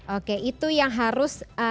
oke itu yang harus